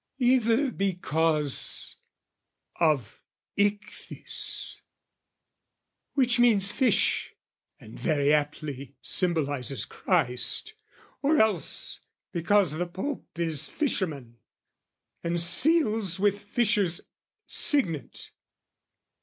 " Either because of ??T?S which means Fish "And very aptly symbolises Christ, "Or else because the Pope is Fisherman "And seals with Fisher's signet.